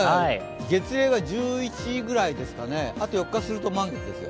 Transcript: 月齢は１１ぐらいですかね、あと４日すると満月ですよ。